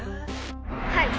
はい。